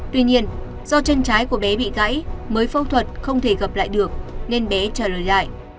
tuy nhiên do chân trái của bé bị gãy mới phẫu thuật không thể gặp lại được nên bé trả lời lại